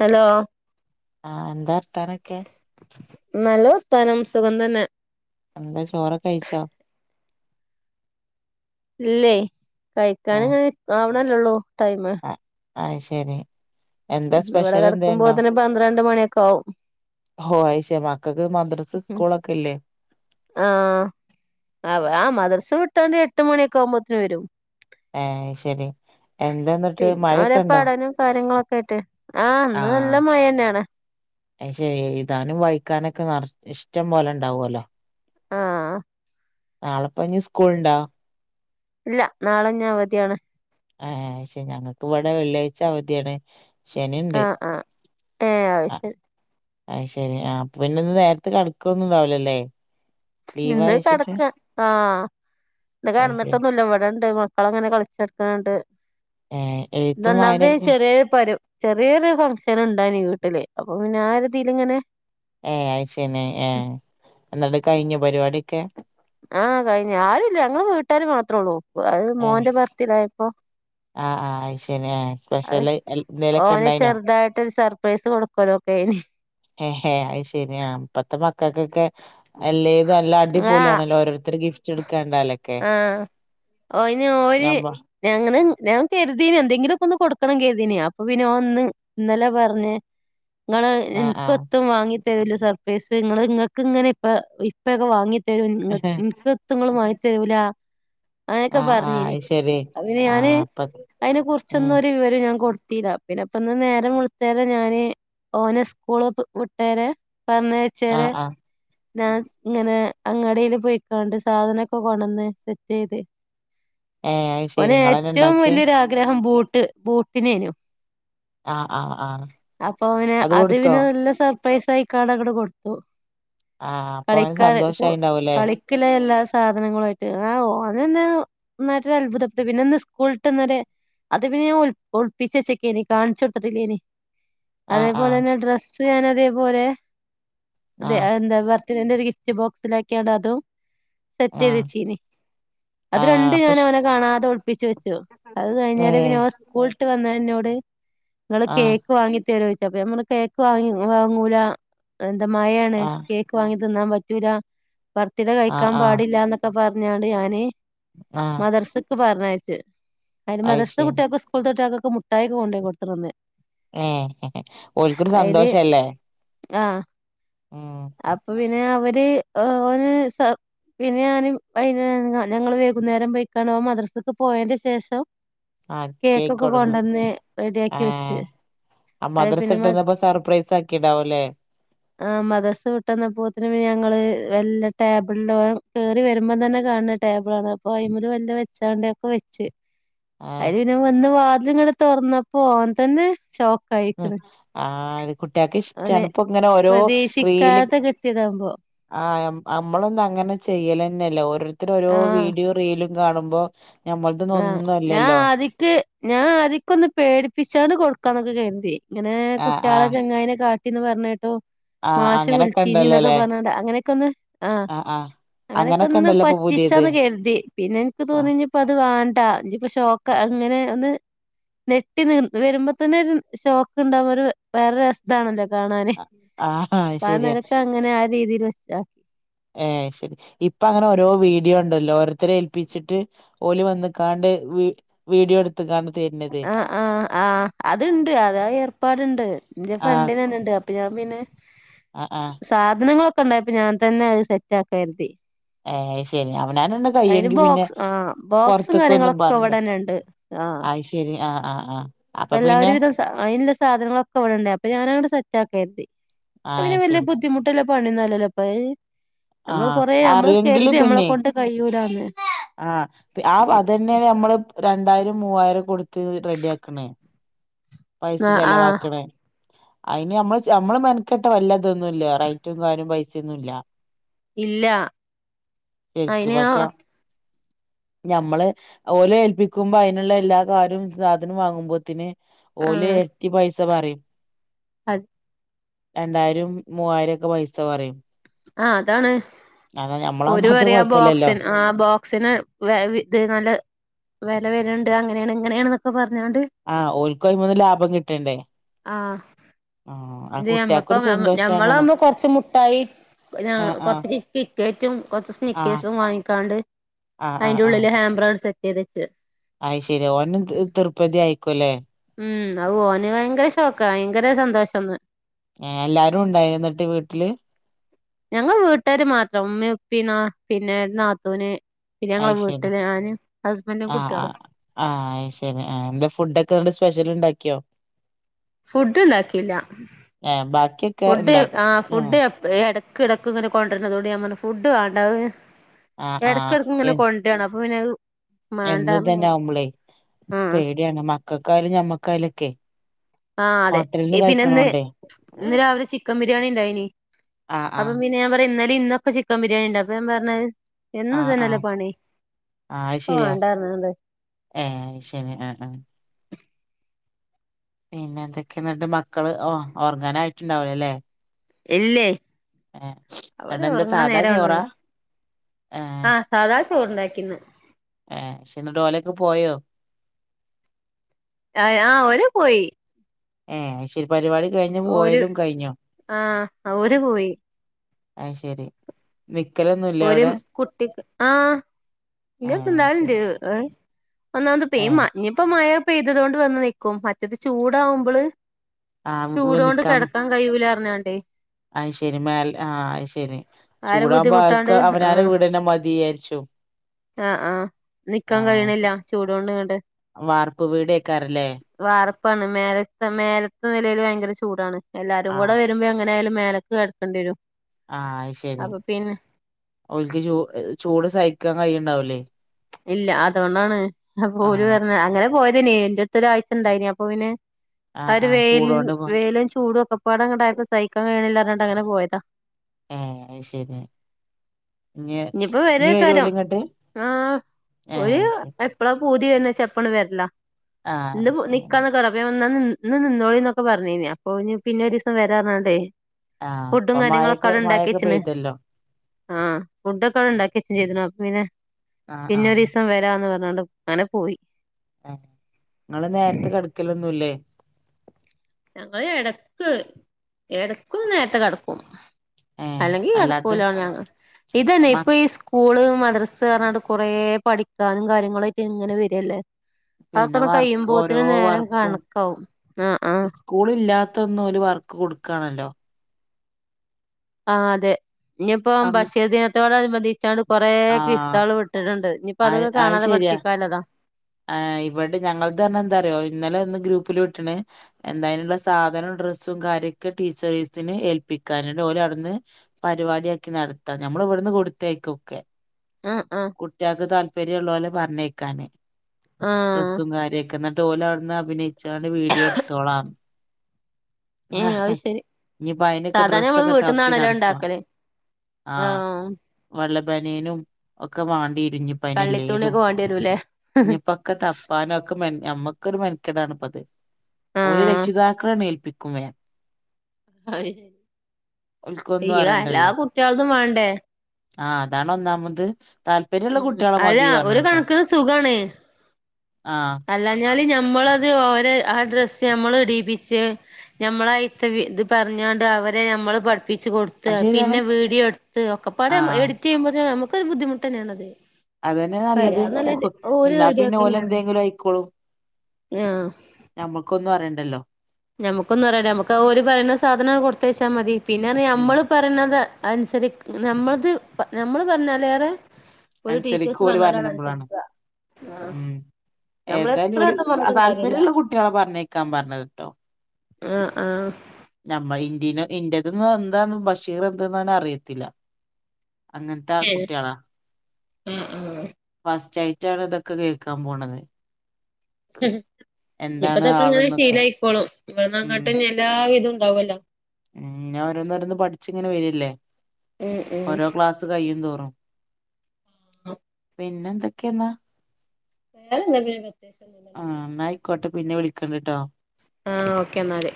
Hello ആഹ് എന്താവർത്താനൊക്കെ നല്ല വർത്താനം സുഖം തന്നെ എന്തായി ചോറൊക്കെ കഴിച്ചോ ഇല്ലേയ് ആഹ് കഴിക്കാനങ്ങനെ ആവണല്ലേള്ളൂ ടൈമ് ആഹ് അയ്ശരി ഇവിടെ കിടക്കുമ്പോത്തിന് പന്ത്രണ്ട് മണിയൊക്കാവും ഹോ അയ്ശേരി മക്കക്കു മദ്രസിം സ്കൂളൊക്കില്ലേ ആഹ് അവ ആ മദർസ വിട്ടാണ്ട് എട്ട് മണിയൊക്കെ ആവുമ്പോത്തിന് വരും ഏഹ് അയ് ശരി എന്താ എന്നിട്ട് പിന്നെ ഓരേ മഴയൊക്കെ ഉണ്ടോ പഠനും കാര്യങ്ങളൊക്കൊയിട്ടെ ആഹ് ഇന്ന് നല്ല മയന്നെണ് അയ്ശരി എയ്താനും വായിക്കാനൊക്കെ ആഹ് ഇഷ്ടം പോലെ ഉണ്ടാവോലൊ ആഹ് നാളെപ്പഞ്ഞ് സ്കൂളുണ്ടോ ഇല്ല നാളഞ്ഞ് അവധിയാണ് ഏഹ് ക്ഷെ ഞങ്ങൾക്ക് ഇവിടെ വെള്ളിയാഴ്ച അവധിയാണ് ശനിണ്ട് ആഹ് ആഹ് ഏഹ് അത് ആഹ് ശരി അയ്ശെരി ആഹ് അപ്പൊ പിന്നെ ഇന്ന് നേരത്തെ കടക്കൊന്നുണ്ടാവുലല്ലേ ഇന്ന് കടക്ക ആഹ് ഇന്ന് അയ് ശരി കടന്നിട്ടൊന്നുല്ല ഇവിടെണ്ട് മ മക്കളങ്ങനെ കളിച്ചടക്ക്ണ്ണ്ട് ഏഹ് എഴുത്തും ഇന്നൊന്നാമത് വായനൊക്കെ ചെറിയെരു പരു ചെറിയൊരു ഫംഗങ്ഷൻ ഉണ്ടായിനി വീട്ടില് അപ്പൊ പിന്നെ ആരുതില് ഇങ്ങനെ ഏഹ് അയ്ശെരി ഏഹ് എന്നിട്ട് കയ്ഞ്ഞോ പരിപാടിയൊക്കെ ആഹ് കയിഞ്ഞ് ആരുല്ല ഞങ്ങള് വീട്ടാര് മാത്രേള്ളൂ പ്പ് അത് ഏഹ് മോന്റെ ബർത്ത്ഡേയപ്പോ ആഹ് ആഹ് അത് ശരി ആഹ് അഹ് സ്പെഷ്യല് എൽ- എന്തേലൊക്കെ ഓന് ഉണ്ടായിനോ? ചെറുതായിട്ടൊരു സർപ്രൈസ് കൊടു [unintelligible] ഹേ ഹേ അയ്ശരി ആഹ് ഇപ്പത്തെ മ ക്കൊക്കെ അല്ലേത് നല്ല ആഹ് അടിപൊളിയാണല്ലോ ഓരോരുത്തർ ഗിഫ്റ്റ് ഇടുക്ക്ണണ്ടാല് ആഹ് അയിന് ഓര് ഞമ്മ ഞങ്ങള് ഞാൻ കരുതീനു എന്തെങ്കിലൊക്കെ ഒന്ന് കൊടുക്കണം കരുതീന് അപ്പൊ പിന്നെ ഓന് ഇന്ന് ഇന്നലെ പറഞ്ഞ് ഇങ്ങള് ആഹ് ആഹ് എനിക്കൊത്തും വാങ്ങി തരൂല സർപ്രൈസ് ഇങ്ങള് ഇങ്ങൾക്ക് ഇങ്ങനെ ഇപ്പ ഇപ്പയൊക്കെ വാങ്ങി തരും ഇന്ക്കൊത്തും ഇങ്ങള് വാങ്ങി തരൂല അങ്ങനൊക്കെ ആഹ് ആഹ് പറഞ്ഞീന് അത് ശരി അയ് ഞാന് ആഹ് ഇപ്പ അയ്നെ ഉം കുറിച്ചൊന്നും ഒരു വിവരം ഞാൻ കൊടുത്തീരാ പിന്നെപ്പിന്ന് നേരം വെളുത്തേരം ഞാന് ഓനെ സ്കൂള് വിട്ടേര് പറഞ്ഞയ ച്ചേര് ആഹ് ആഹ് ഞാൻ ഇങ്ങനെ അങ്ങാടീൽ പോയിക്കാണ്ട് സാധന കൊണ്ടന്ന് സെറ്റീത് ഏഹ് അത് ശരി ഓന് ഇങ്ങളന്നെ ഏറ്റവും ഇണ്ടാക്കിയേ? വലിയൊരു ആ ഗ്രഹം ബൂട്ട് ബൂട്ടിനേഞു ആഹ് ആഹ് ആഹ് അപ്പൊ അവന് അത് പിന്നെ നല്ല സർ പ്രൈസായിക്കാണ്ടു അങ്ങട്ട് കൊടുത്തു ആഹ് അപ്പൊ ഓന് കളിക്കാന് കൊ സന്തോഷായിണ്ടാവൂലേ? കളിക്കലയി ലാ സാധനങ്ങളും ആയിട്ട് ആഹ് ഓന്ന്നെ നല്ല അത്ഭുതപ്പി പിന്നെന്ന് സ്കൂളിട്ട് വന്നത് അത് പിന്നെ ഞാ ഒളി ഒളിപ്പിച്ച് വെച്ചേക്കേയ്നി കാണിച്ചു കൊടുത്തിട്ടല്ലേയ്നി ആഹ് അതേപോലെ ആഹ് തന്നെ ഡ്രസ്സ് ഞാൻ അതേപോലെ അത് ആഹ് എന്താ വർ ഇതിലന്റെ ഒരു ഗിഫ്റ്റ് ബോക്സിലാക്കിയതതും സെറ്റ് ചെയ്ത് ആഹ് വെച്ചെയ്നി അത് ആഹ് രണ്ടും അപ്പൊ ഞാൻ ഇഷ് ഓനെ കാണാതെ ഒളിപ്പിച്ചു വെച്ചു അത് കഴിഞ്ഞാല് പിന്നെ ഏഹ് ഓ സ് കൂള്ട്ട് വന്നതും എന്നോട് ഇങ്ങള് കേ ആഹ് ക്ക് വാങ്ങിത്തരോന്നോയ്ച്ച് അപ്പോ ഞാപറഞ്ഞ് കേക്ക് വാങ്ങി വാങ്ങൂല എന്താ മയെയാണ് ആഹ് കേക്ക് വാങ്ങി തിന്നാൻ പറ്റൂല വറത്തത് ആഹ് കഴിക്കാൻ ആഹ് പാടില്ലാന്നൊക്കെ പറഞ്ഞാണ്ട് ഞാന് ആഹ് മദർസക്ക് പറഞ്ഞയച്ച് അതിന് അത് മദ്രസത്തെ ശരി കുട്ടികൾക്കും സ്കൂത്തെകുട്ടികൾക്കും മുട്ടായിയൊക്കെ കൊണ്ടോയി കൊടുത്തണ് ഇന്ന് ഏഹ് ഓൽക്കൊരു അതില് സന്തോഷല്ലേ ആഹ് ഉം അപ്പൊ പിന്നെ അവര് ഓന് സ പിന്നെ ഞാനും അയിന് ഞങ്ങള് വൈകുന്നേരം പോയ്‌ക്കാണും ഓൻ മദ്രസക്ക് പോയേന്റെ ശേഷം ആഹ് കേക്ക് കേക്കൊക്കെ കൊടുന്ന് കൊണ്ടുന്ന് റെഡിയാക്കി വെച്ച് ആഹ് അത് മദ്രസ പിന്നെ വിട്ട് മ വന്നപ്പം സർപ്രൈസ് ആക്കി ഉണ്ടാവൂല്ലേ ആഹ് മദ്ര വിട്ടന്നപ്പോത്തിനിം ഞങ്ങള് മെല്ലെ ടേബിളിന്റെ കേറി വരുമ്പോൾ തന്നെ കാണണെ ടേബിൾ ആണ് ആയിമേൽ എല്ലാം വെച്ചാണ്ട് ഒക്കെ വെച്ച് [inaudible] അയിൽ ഇങ്ങ വന്ന് വാതിലും അങ്ങ് തുറന്നപ്പോ ഓൻ തന്നെ ഷോ ആഹ് അത് കുട്ടികൾക്ക് ഇഷ്ടാണ് ഇപ്പൊ ഇങ്ങനെ ഓരോ കി ട്ടാതെ കിട്ടിയതാകുമ്പോ ആഹ് നമ്മളൊന്നും അങ്ങനെ ചെയ്യലൊന്നൂല്ല ഓരോരുത്തര് ഓരോ ആഹ് വീഡിയോ റീലും കാണുമ്പോ ഞമ്മൾതൊന്നും ആഹ് ഒന്നും ഞാൻ അല്ലല്ലോ ആതിക്ക് ഞാൻ ആദ്യക്കൊ ഒന്ന് പേടിപ്പിച്ചാണ് കൊടുക്കാന്നൊക്കെ കരുതിയെ ഇങ്ങനെ ആഹ് കുട്ടികളെ ആഹ് ചെങ്ങായിനെ കാ പറഞ്ഞ കേട്ടു ആഹ് മാഷ് അങ്ങനൊക്കെ വിളിച്ചീനി എന്നൊക്കെ ഉണ്ടല്ലോല്ലേ പറഞ്ഞങ്ങട് അങ്ങനെയൊക്കെ ഒന്ന് ആഹ് അങ്ങനെയൊക്കെ അങ്ങനൊക്കെ ഒന്ന് ഉണ്ടല്ലോ ഇപ്പൊ പുതിയത് പറ്റിച്ചാന്ന് കരുതി പിന്നെ എനിക്ക് തോന്നി ആഹ് അത് വേണ്ട ഇപ്പൊ ഷോക്ക അങ്ങനെ ഒന്ന് നെട്ടി നി വരുമ്പോ തന്നെ ഒരു ഷോക്ക് ഉണ്ടാകും ഒരു വേറെ ഇതാണല്ലോ കാണാന് ആഹ് ഇപ്പാ ശരിയാ നേരൊക്ക അങ്ങനെ ആ രീതീല് വെച്ചോ ഏഹ് ശെരി ഇപ്പ അങ്ങനെ ഓരോ വീഡിയോ ഇണ്ടല്ലോ ഓരോര്ത്തെരെ ഏൽപ്പിച്ചിട്ട് ഓല് വന്ന്കാണ്ട് വി വീഡിയോ എട് ത്ത്കാണ്ട് തെര്ന് ആഹ് ആഹ് ആഹ് അത്ണ്ട് അതാ ഏർപ്പാട് ഇണ്ട് ഇന്റെ ഫ്രണ്ടിന് എന്നെ ഇണ്ട് അ പ്പഞാം പിന്നെ അ ആഹ് സാധനങ്ങളൊക്ക ഇണ്ടായപ്പൊ ഞാൻ തെന്നെ അത് സെറ്റാക്കാ കെര്തി ഏഹ് അത് ശെരി അവനാനെന്നെ കയ്യാെങ്കി പിന്നെ ബോക്സ് ആ ബോക്സും പൊർത്ത്ക്ക് ഒന്നും കാര്യങ്ങളൊക്കെ പറണ്ട ഇവിടെന്നെ ഉണ്ട് അത് ശർ ക്കെരിം ആഹ് ആഹ് ആഹ് ഇപ്പ അപ്പൊ എല്ലാവെരും പിന്നെ ഒരുവിധം സാ ഐന്ള്ള സാധനങ്ങളൊക്ക ഇവടെ ഇണ്ടേ അപ്പെ ഞാന അങ്ങട്ട് സെറ്റാക്കാ കെര്തി ആഹ് ശെ വെല്യേ ബുദ്ധിമുട്ട്ല്ല പണിയാെന്നും അല്ലലോ ഇപ്പത് നമ്മള് ആഹ് കൊറേ നമ്മള് അറിയെങ്കില് കെര്തും പിന്നെ ഞമ്മളെക്കൊണ്ട് കയ്യൂലാന്ന് ആഹ് ഇപ ആ അതെന്നേണ് അമ്മള് ഇപ്പൊ രണ്ടായിരം മുവ്വായിരം കൊട്ത്ത് റെഡി ആക്ക്ണ് പൈസ ആ ആ ചെലവാക്ക്ണ് ഐന് അമ്മള് ച് അമ്മള് മെനക്കെട്ട വെല്ല ഇതൊന്നും ഇല്ലാ റൈറ്റും കാരും പൈസെയൊന്നും ഇല്ല ഇല്ല എൽക്ക് അയിന് ആ പഷ ഞമ്മള് ഓലെ ഏൽപ്പിക്കുമ്പൊ ഐന്ള്ള എല്ലാ കാരും സാധനും വാങ്ങുമ്പോത്തിന് ഓല് എര്ട്ടി പൈസ പറയും അത് രണ്ടായിരം മൂവായിരം ഒക്കെ പൈസ പറയും ആഹ് അതാണ് അതാ ഓര് ഞമ്മളാവുമ്പോ അത്ര പറയും ആ കൊഴപ്പല്ലല്ലോ ബോക്സിന് ആഹ് ബോ സിന് വെ വി ഇത് നല്ല വെല വെര്ണ്ട് അങ്ങനേണ് ഇങ്ങനേണ്നൊക്കെ പർഞ്ഞ്ങ്ങാണ്ട് ആഹ് ഓൽക്കും ഐമന്ന് ലാഭം കിട്ടണ്ടേ ആ ആഹ് ആ ഇത് ഞമ്മക്കാ കുട്ട്യാക്കൊരു മേം സന്തോഷാണാണും ഞമ്മളാവുമ്പൊ കൊർച്ച് മുട്ടായി കൊനാ ആഹ് ആഹ് കൊർച്ച് കി കിക്കറ്റും കൊർച്ച് ആഹ് സ്നിക്കേസും വാങ്ങിക്കാണ്ട് ആഹ് ഐന്റെ ഉള്ളില് ഹാംബെറ് അങ്ങട്ട് സെറ്റീതെച്ചു അത് ശെരി ഓനും ത് തൃപ്പതി ആയിക്കൊല്ലേ ഉം അത് ഓന് ഭയങ്കര ഷോക്കായി ഭയങ്കര സന്തോഷം ഇന്ന് ഏഹ് എല്ലാരും ഉണ്ടായിരുന്നോ ഇന്ന്ട്ട് വീട്ടില് ഞങ്ങള് വീട്ടേര് മാത്രം ഉമ്മിം ഉപ്പിം നാ പിന്നെ നാത്തൂന് പിന്നെ ഞങ്ങളെ അയ് ശെരി വീട്ടില് ഞാനും ഹസ്ബെന്റും ആഹ് കുട്ടേളും ആഹ് ആഹ് അത് ശെരി ആ എന്താ ഫുഡ് ഒക്കെ ഇന്ന്ട്ട് സ്പെഷ്യല് ഇണ്ടാക്കിയോ ഫുഡ് ഇണ്ടാക്കീല്ല ഏഹ് ബാക്കിയൊക്കെ ഫുഡ് ഉണ്ടാ ആഹ് ഫുഡ് എ ഹ് എടക്ക് എടക്ക് ഇങ്ങനെ കൊണ്ടര്ന്നതോണ്ട് ഞാം പർണു ഫുഡ് വാണ്ടാ അത് ആഹ് ആഹ് ഇടക്കെടക്ക് ഇങ്ങനെ എ കൊൻ ന്റാണ് അപ്പൊ പിന്നെ അത് എന്നും മാണ്ടാന്ന് ഇതെന്നെ ഞാൻ ആവുമ്പളേയ് ആ പേടിയാണ് മക്കക്കായാലും ഞമ്മക്കായാലും ഒക്കെ ആഹ് അതെ ഇത് പിന്നെ ഇന്ന് ഇന്ന് രാവിലെ ചിക്കം ബിരിയാണി ഇണ്ടായിനി ആഹ് അപ്പൊ ആഹ് പിന്നെ ഞാംപറയേ ഇന്നെലിം ഇന്നൊക്കെ ചി ക്കം ബിരിയാണി ഇണ്ട് അപ്പ ഞാംപർണത് എന്നും ആഹ് ഇതെന്നെല്ലേ ആഹ് പണി ആഹ് അത് അപ്പൊ ശരിയാ വാണ്ട പർണ്കാണ്ട് ഏഹ് ശെനി ആഹ് ആഹ് പിന്നെ എന്തെക്കേണ് ഇന്ന്ട്ട് മക്കള് ഒ ഒറങ്ങാനായിട്ട് ഇണ്ടാവൂലലേ അല്ലെ ഇല്ലൈ അവര് എന്നിട്ട് എന്താ ഒറങ്ങാൻ സാധാ നേരം ചോറാ ആവ്ണാെള്ളു ഏഹ് ആഹ് സാദാ ചോറ് ഇണ്ടാക്കിന്ന് ആഹ് പക്ഷെ ഇന്ന് ഓലൊക്കെ പോയോ ആഹ് ആഹ് ഓര് പോയി ഏയ് ശരി പരിപാടി കഴിഞ്ഞു ഓര് പോയലും കഴിഞ്ഞൊ ആഹ് ഓര് പോയി അത് ശരി നിക്കലൊ ഒരു കുട്ടിക്ക് ആഹ് ഇന്റട്ത് ഏഹ് അത് ഇണ്ടാവാൽണ്ട് ശരി ഏ ഒന്നാമത് ഇപ്പ ഈ ഏഹ് മഴ ഇഞ്ഞിപ്പ മഴ പെയ്തത് കൊണ്ട് വന്നതായിരിക്കും മറ്റേത് ചൂടാവുമ്പോൾ ആഹ് ചൂടൊണ്ട് നിക്കാം കെടക്കാൻ കയ്യൂലർഞ്ഞാണ്ടേ അത് ശരി മേലെ ആഹ് അത് ശരി ആരെ ചൂടാകുമ്പോ ബുദ്ധിമുട്ടാണ്ട് അവർക്ക് അവരവരുടെ ആഹ് വീട് തന്നെ മതിയരിച്ചു ആഹ് ആഹ് നിക്കാൻ അത് കയ്യ്ണ്ല്ല ശരി ചൂടുകൊണ്ട് ഇങ്ങട്ട് വാർപ്പ് വീടേക്കാരല്ലേ വാറപ്പാണ് മേലത്തെ മേലത്തെ നിലയിൽ ഭയങ്കര ചൂടാണ് എല്ലാരും കൂടെ ആഹ് വരുമ്പോ എങ്ങനെയാലും മേലക്കെ കിടക്കേണ്ടി വരും ആഹ് അത് ശരി അപ്പൊ പിന്നെ ഒല്ക്ക് ചൂ ചൂട് സഹിക്കാൻ കയ്യ്ണ്ടാവൂലെയ് ഇല്ല അതൊണ്ടാണ് ഓര് പറഞ്ഞ് അങ്ങനെ പോയതന്നേനി ഇന്റെ അടുത്തൊരുരാഴ്ച ഇണ്ടായിനി അപ്പൊ പിന്നെ ആ ആഹ് ഒരു ആഹ് വയില് ചൂടോണ്ട് പോ വേയിലും ചൂടും ഒക്കെ ഒക്കപ്പാടെ ഇങ്ങോട്ടായപ്പോ സഹിക്കാൻ കഴിയ്യിണില്ല പറഞ്ഞാണ്ട് അങ്ങനെ പോയതാ ആഹ് അത് ശരി ഇഞ്ഞ് ഇപ്പോ വെരി ഇഞ്ഞ് വരോ അക്കാരം ഓല് ഇങ്ങട്ട് ആഹ് ഏഹ് ഒരു അത് ശരി എപ്പളാ പൂതി വരുന്ന അപ്പം അങ്ങട് വരണം ആഹ് ഇന്ന് അത് ശരി നിക്കാന്ന അ വന്നാ നിന്ന് നിന്നോളിന്നൊക്കെ പറഞ്ഞീനി അപ്പൊ പിന്നെ ഒരു ദിവസം വരാ പറഞ്ഞാണ്ടയ് ആഹ് ഫുഡും ഇപ്പം കാര്യങ്ങളൊക്കെ മഴൊക്കെ അവിടെണ്ടക്കി മഴൊക്കെ വെച്ച്ണ് പെയ്തല്ലോ ആഹ് ഫുഡൊക്കെ അവിടെ ഉം ഇണ്ടാക്കിച്ചും ചെയ്ത്ണ് ആഹ് പിന്നെ ആഹ് ഒരീസം വരണ്ട് [unintelligible] പറഞ്ഞോണ്ട് അങ്ങനെ പോയി ആഹ് ഇങ്ങള് നേരത്തെ കെടക്കൽ ഒന്നുല്ലേ ഞങ്ങള് എടക്ക് എടക്ക് നേരത്തെ കെടക്കും ഏഹ് അല്ലെങ്കിൽ അല്ലാത്ത കെടക്കൂല ഞങ്ങ ഇതന്നെ മ ഇപ്പൊ ഈ സ്കൂ സ്കൂള് മദ്രസ് പറഞ്ഞാണ്ട് കൊറേപഠിക്കാനും കാര്യങ്ങളും ആയിട്ട് ഇങ്ങനെ വരല്ലേ പിന്നെ അതൊക്ക വർക്ക് ഓരോ കഴിയുമ്പോത്തിന് നേരം കണക്കാവും ആഹ് ആഹ് സ്കൂളില്ലാത്തന്നും ഓര് വർക്ക് കൊടുക്കണല്ലോ ആഹ് അതെ ഇഞ്ഞിപ്പോ അന്ന് ബശീർ ദിനത്തോട് അനുബന്ധിച്ചാണ്ട് കൊറേ ആഹ് കിസ്സാള് വിട്ട്ണ്ട് അപ്പ അത് അതൊക്കെ അത് കാണാതെ ശരിയാ പഠിപ്പിക്കാല്ലതാ ആഹ് ഇവടെ ഞങ്ങള്ത് പറഞ എന്താറിയോ ഇന്നലെ ഒന്ന് ഗ്രൂപ്പില് വിട്ട്ണ് എന്തയിനുള്ള സാധനം ഡ്രസ്സും കാര്യൊക്കെ ടീച്ചേഴ്സിനെ ഏൽപ്പിക്കാന് ഇഞ്ഞട്ട് ഓല് അവ്ട്ന്ന് പരിവാടിയാക്കി നടത്ത ഞമ്മളിവട്ന്ന് കൊടുത്തയ്ക്കൊക്കെ ആഹ് ആഹ് കുട്ട്യാൾക്ക് താല്പര്യള്ളോലെ പറഞ്ഞയ്ക്കാന് ആഹ് ഡ്രസ്സും കാര്യൊക്കെ ഇന്ന ഞ്ഞട്ടോല് അവട്ന്ന് അഭിനയിച്ചാണ്ട് വീഡിയോ ഇടുത്തോളാന്ന് ഏ അത് ശരി ഇഞ്ഞിപ്പോ അയിനൊക്കെ സാധാരണ നമ്മള് ഡ്രസ്സൊക്കെ തപ്പി വീട്ട്ന്നാണല്ലോ നടക്കണം ഇണ്ടാക്കല് ആഹ് വെള്ള ബന്യേനും ഒക്കെ വാണ്ടിയേരും ഇഞ്ഞിപ്പയിനല്ലേനും കള്ളിത്തൂണിയൊക്കെ വേണ്ടി വരൂല്ലേ ഇഞ്ഞിപ്പ ഒക്കെ തപ്പാനൊക്കെ മെ നമ്മക്കൊരു മെനക്കെടാണ് ഇപ്പത് ഓല് ആഹ് രക്ഷിതാക്കളേണ്ട് ഏൽപ്പിക്കും വേം അഹ് ഓൽക്കൊന്നും ഇയ എല്ലാ അറിയണ്ടല്ലോ കുട്ട്യാളതും വാണ്ടേ ആഹ് അതാണ് ഒന്നാമത് താല്പര്യള്ള ഉം കുട്ട്യാളെ അല്ല മതി ഒരു പറഞ്ഞാണ് ട്ടോ. കണക്കിന് സുഖാണ് ആഹ്. അല്ലാഞ്ഞാല് ഞമ്മളത് ഓരെ ആ ഡ്രസ്സ് ഞമ്മള് ഇടീപ്പിച്ച്. ഞമ്മളയിത്ത വി ഇത് പറഞ്ഞാണ്ട് അവരെ ഞമ്മള് പഠിപ്പിച്ച് കൊടു അത് ക്ക ശരിയാണ് പിന്നെ വീഡിയോടുത്ത് ഒക്കെപ്പാടെ ആഹ് എഡിറ്റിയ്യുമ്പോത്തിന് നമുക്കൊരു ബുദ്ധിമുട്ടന്നേണത്. അതന്നെ നല്ലത് ഓഹ് എന്നാ പിന്നെ റെഡിയാക്കന്നെയാണ് ഓലെന്തേങ്കിലും ആയിക്കോളും. ആഹ്. ഞമ്മക്കൊന്നും അറിയണ്ടല്ലോ- ഞമക്കൊന്നും അറിയണ്ട നമ്മക്ക് ആ ഓര് പറയണ സാധനാണ്ട് കൊടുത്തയച്ചാ മതി പിന്നെറഞ ഉം മ്മള് പറയ്ണത് അനുസരി ഞമ്മളത് നമ്മള് പറഞ്ഞാലേറെ ഓല് ടീച്ചേഴ്സ് അനുസരിക്കും ഓല് പറഞ്ഞപ്പോഴാണ് പറഞാലാണനുസരിക്ക ആഹ് ഉം ഏതായാലും ഞമ്മളെത്ര ഓല് വട്ടം ആ പറഞ്ഞിട്ടും കാര്യല്ല. താല്പര്യള്ള കുട്ടികളെ പറഞ്ഞേക്കാൻ പറഞ്ഞത് ട്ടോ ആഹ് ആഹ്. നമ്മള് ഇന്റീന് ഇന്റതിന് എന്താന്ന് ബഷീർ എന്താന്ന് ഓനറിയത്തില്ല. അങ്ങനത്താ കുട്ട്യാള ഉം ഉം. ഫസ്റ്റായിട്ടാണ് ഇതൊക്കെ കേക്കാൻ പോണത്. എന്താണ് ഇഞ്ഞിപ്പതക്കെങ്ങനെ ആള്ന്നൊക്കെ ശീലായിക്കോളും ഉം ഇവടന്നങ്ങട്ട് ഇനി എല്ലാ ഇതുണ്ടാവല്ലോ- ഉം ഇഞ്ഞി ഓരോന്നോരോന്ന് പഠിച്ചിങ്ങനെ വരല്ലേ ഉം ഉം ഓരോ ക്ലാസ്സ് കയ്യും തോറും. അഹ്. പിന്നെന്തൊക്കെന്നാ? [unintelligible] ഇന്നലെന്താ [unintelligible] പിന്നെങള് ആഹ് ഇന്നായിക്കോട്ടെ പിന്നെ വിളികണ്ട്ട്ടോ. ആഹ് ഓക്കെന്നാല്.